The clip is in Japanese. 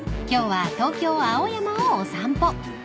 ［今日は東京青山をお散歩］